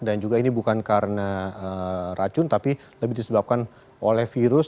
dan juga ini bukan karena racun tapi lebih disebabkan oleh virus